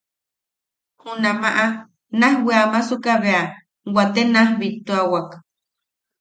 Junamaʼa naaj weamsuka bea waate naaj bittuawa.